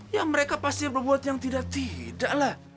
ya mereka pasti berbuat yang tidak tidak lah